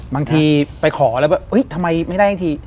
บางทีไปขอแล้วทำไมไม่ได้อย่างนี้